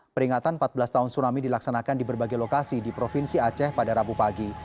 peringatan empat belas tahun tsunami dilaksanakan di berbagai lokasi di provinsi aceh pada rabu pagi